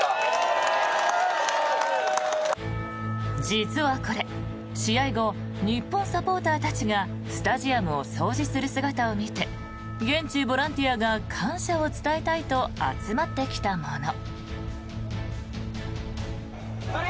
実はこれ、試合後日本サポーターたちがスタジアムを掃除する姿を見て現地ボランティアが感謝を伝えたいと集まってきたもの。